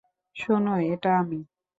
শোনো, এটা আমি!